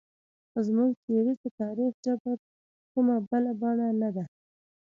خو زموږ تیوري د تاریخ جبر کومه بله بڼه نه ده.